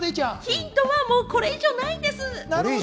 ヒントはもう、これ以上ないんです！